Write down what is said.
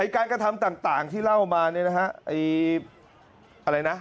การกระทำต่างที่เล่ามานี่นะฮะ